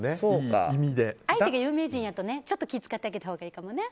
相手が有名人やとちょっと気を使ってあげたほうがいいかもね。